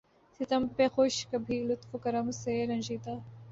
ستم پہ خوش کبھی لطف و کرم سے رنجیدہ